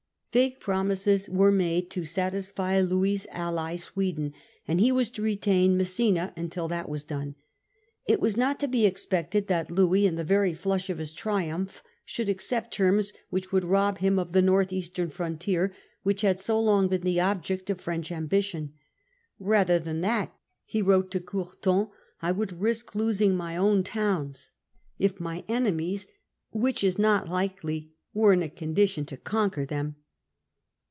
Vague promises were made to satisfy Louis's ally, Sweden, and he was to retain Messina until that was done. It was not to be expected that Louis, in the very flush of his triumph, should accept terms which would rob him of the north eastern frontier, which had so long been the object of French ambition. 'Rather than that,' he wrote to Courtin, ' I would risk losing my own towns, if my enemies, which is not likely, were in a condition to conquer them.